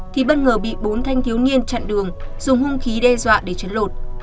thì bất ngờ bị bốn thanh thiếu nhiên chặn đường dùng hung khí đe dọa để chấn lột